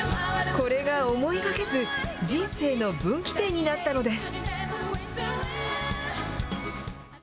これが思いがけず、人生の分岐点になったのです。